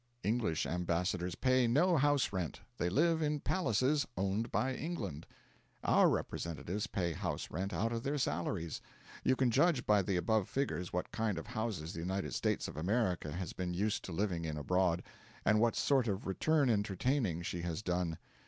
English ambassadors pay no house rent; they live in palaces owned by England. Our representatives pay house rent out of their salaries. You can judge by the above figures what kind of houses the United States of America has been used to living in abroad, and what sort of return entertaining she has done.